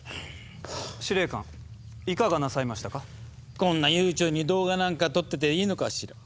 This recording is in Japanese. こんな悠長に動画なんか撮ってていいのかしら？